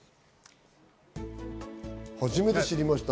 初めて知りました。